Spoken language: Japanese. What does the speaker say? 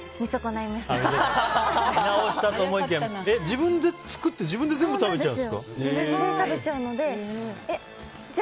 自分で作って自分で全部食べちゃうんですか。